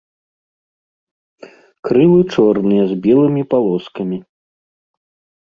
Крылы чорныя з белымі палоскамі.